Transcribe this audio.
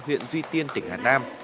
huyện duy tiên tỉnh hà nam